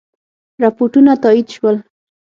رپوټونه تایید شول.